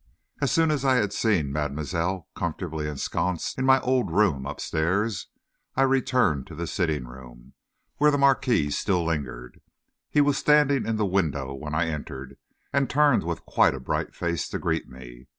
As soon as I had seen mademoiselle comfortably ensconced in my old room up stairs, I returned to the sitting room, where the marquis still lingered. He was standing in the window when I entered, and turned with quite a bright face to greet me.